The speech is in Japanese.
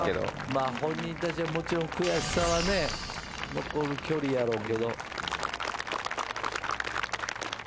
まあ本人たちはもちろん悔しさはね残る距離やろうけど。